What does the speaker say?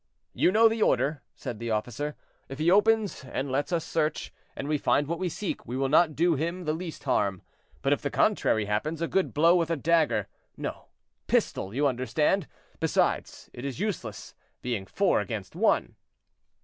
"You know the order," said the officer. "If he opens and lets us search, and we find what we seek, we will not do him the least harm; but if the contrary happens, a good blow with a dagger; no pistol, you understand—besides, it is useless, being four against one."